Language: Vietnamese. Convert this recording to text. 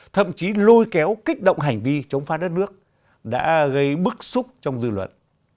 thậm chí lôi kéo kích động hành vi chống phá đất nước đã gây bức xúc trong dư luận